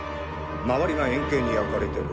周りが円形に焼かれてる。